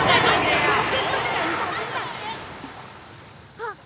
あっ！